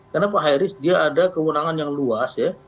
karena pak high risk dia ada keunangan yang luas ya